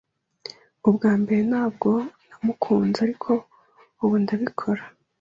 Ubwa mbere ntabwo namukunze, ariko ubu ndabikora.